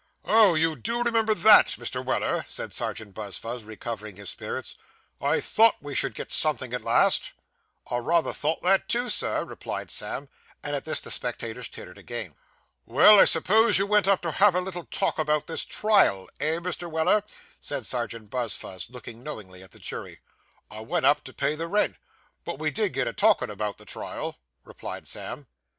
'Oh, you do remember that, Mr. Weller,' said Serjeant Buzfuz, recovering his spirits; 'I thought we should get at something at last.' 'I rayther thought that, too, sir,' replied Sam; and at this the spectators tittered again. 'Well; I suppose you went up to have a little talk about this trial eh, Mr. Weller?' said Serjeant Buzfuz, looking knowingly at the jury. 'I went up to pay the rent; but we did get a talkin' about the trial,' replied Sam.